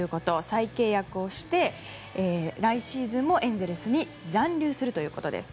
再契約をして来シーズンもエンゼルスに残留するということです。